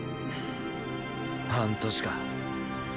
半年か。